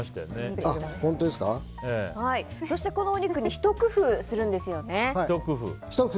そして、このお肉にひと工夫するんですよね。